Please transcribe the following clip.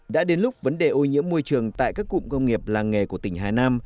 đã đến lúc vấn đề ô nhiễm môi trường tại các cụm công nghiệp làng nghề của tỉnh hà nam